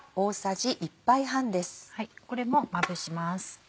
これもまぶします。